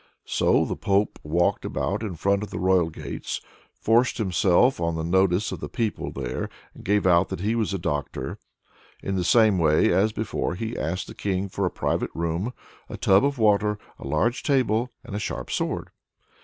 So the Pope walked about in front of the royal gates, forced himself on the notice of the people there, and gave out that he was a doctor. In the same way as before he asked the King for a private room, a tub of water, a large table, and a sharp sword.